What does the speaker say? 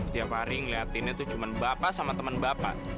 tiap hari ngeliatinnya tuh cuma bapak sama teman bapak